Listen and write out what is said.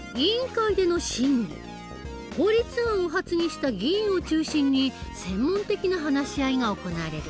法律案を発議した議員を中心に専門的な話し合いが行われる。